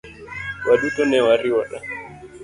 Waduto ne wariwore.